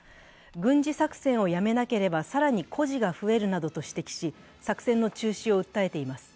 軍事作戦をやめなければ更に孤児が増えるなどと指摘し、作戦の中止を訴えています。